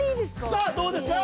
さあどうですか？